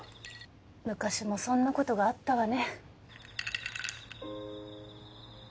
昔もそんなことがあったわね